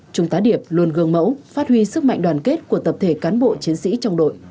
trung tá điệp luôn gương mẫu phát huy sức mạnh đoàn kết của tập thể cán bộ chiến sĩ trong đội